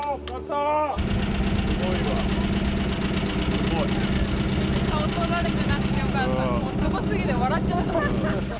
もうすごすぎて笑っちゃった。